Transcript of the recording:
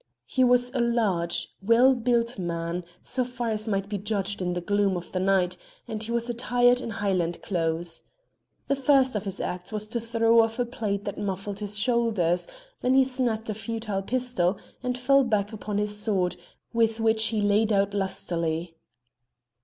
He was a large, well built man, so far as might be judged in the gloom of the night, and he was attired in Highland clothes. The first of his acts was to throw off a plaid that muffled his shoulders; then he snapped a futile pistol, and fell back upon his sword, with which he laid out lustily.